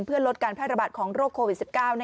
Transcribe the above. เพื่อลดการแพร่ระบาดของโรคโควิด๑๙